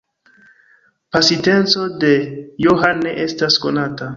Pasinteco de Johan ne estas konata.